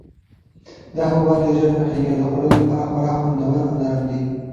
دا حبوبات ډېر ژر پخیږي او د خوړلو لپاره خورا خوندور او نرم دي.